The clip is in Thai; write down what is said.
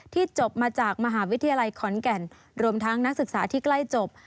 จบมาจากมหาวิทยาลัยขอนแก่นรวมทั้งนักศึกษาที่ใกล้จบ